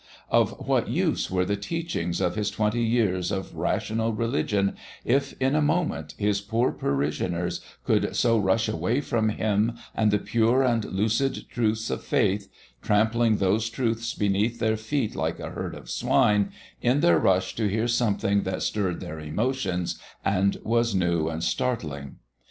Of what use were the teachings of his twenty years of rational religion if, in a moment, his poor parishioners could so rush away from him and the pure and lucid truths of faith, trampling those truths beneath their feet like a herd of swine, in their rush to hear something that stirred their emotions and was new and startling?